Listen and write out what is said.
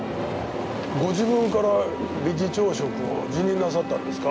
ご自分から理事長職を辞任なさったんですか？